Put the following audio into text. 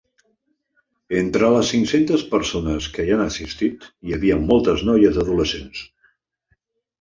Entre les cinc-centes persones que hi han assistit hi havia moltes noies adolescents.